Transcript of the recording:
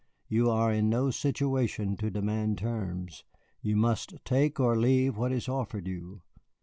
You are in no situation to demand terms; you must take or leave what is offered you.